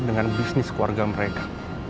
dengan bisnis keluarga mereka